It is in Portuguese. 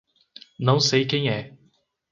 Não sei quem é.